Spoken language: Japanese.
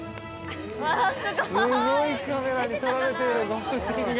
◆すごいカメラに撮られている、ご夫人が。